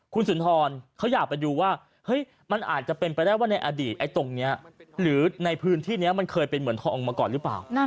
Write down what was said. คุณสุนทรเขาอยากไปดูว่ามันอาจจะเป็นไปได้ว่าในอดีตไอ้ตรงนี้หรือในพื้นที่นี้มันเคยเป็นเหมือนทองมาก่อนหรือเปล่า